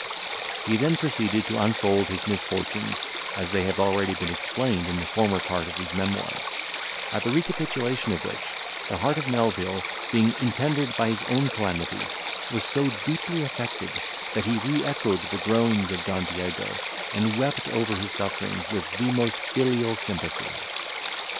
He then proceeded to unfold his misfortunes, as they have already been explained in the former part of these memoirs; at the recapitulation of which, the heart of Melvil, being intendered by his own calamities, was so deeply affected, that he re echoed the groans of Don Diego, and wept over his sufferings with the most filial sympathy.